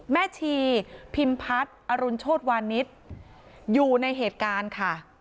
แม่ชีพิมพัฒน์อรุณโชธวานิสอยู่ในเหตุการณ์ค่ะ